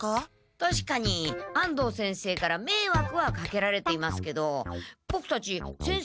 たしかに安藤先生からめいわくはかけられていますけどボクたち先生をお世話したおぼえはありません。